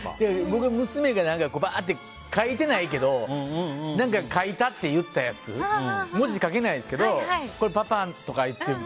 僕は娘がばーって書いてないけど何か書いたって言ったやつ文字書けないんですけど「パパ」とか書いて。